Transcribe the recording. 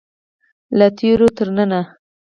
له تیرو تر ننه.